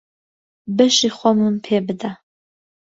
بەشی خۆمم پێ بدە.